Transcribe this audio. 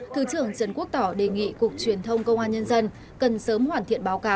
thứ trưởng trần quốc tỏ đề nghị cục truyền thông công an nhân dân